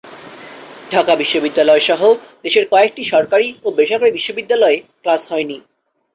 ঢাকা বিশ্ববিদ্যালয়সহ দেশের কয়েকটি সরকারি ও বেসরকারি বিশ্ববিদ্যালয়ে ক্লাস হয়নি।